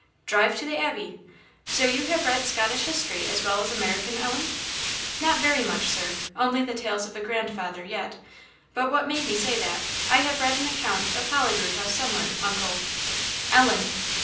"Drive to the Abbey! So you have read Scottish history, as well as American, Ellen?" "Not very much, Sir; only the Tales of a Grandfather yet. But what made me say that, I have read an account of Holyrood House somewhere. Uncle " "Ellen!"